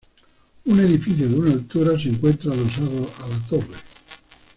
Un edificio de una altura se encuentra adosado a la torre.